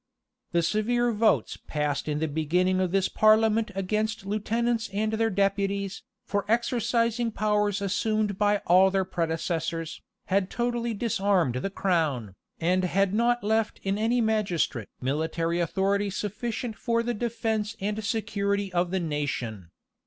The severe votes passed in the beginning of this parliament against lieutenants and their deputies, for exercising powers assumed by all their predecessors, had totally disarmed the crown, and had not left in any magistrate military authority sufficient for the defence and security of the nation.